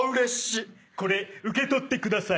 これ受け取ってください。